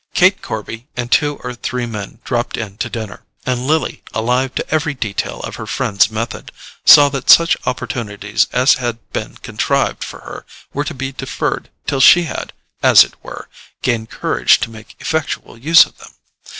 Kate Corby and two or three men dropped in to dinner, and Lily, alive to every detail of her friend's method, saw that such opportunities as had been contrived for her were to be deferred till she had, as it were, gained courage to make effectual use of them.